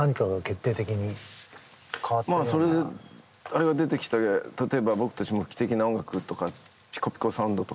あれが出てきて例えば僕たち無機的な音楽とかピコピコサウンドとか言われて。